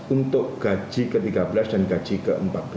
untuk gaji ke tiga belas dan gaji ke empat belas